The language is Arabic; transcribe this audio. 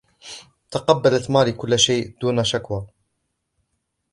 تقبّلت ماري كل شيء بدون شكوى.